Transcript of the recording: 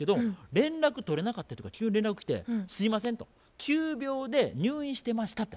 連絡取れなかった人から急に連絡来て「すいません」と「急病で入院してました」って。